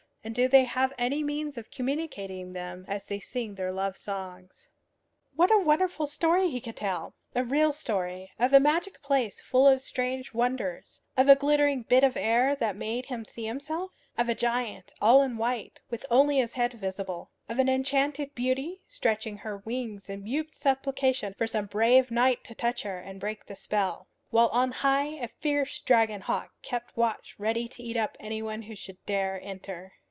And do they have any means of communicating them, as they sing their love songs? What a wonderful story he could tell, a real story, of a magic palace full of strange wonders; of a glittering bit of air that made him see himself; of a giant, all in white, with only his head visible; of an enchanted beauty, stretching her wings in mute supplication for some brave knight to touch her and break the spell, while on high a fierce dragon hawk kept watch, ready to eat up any one who should dare enter!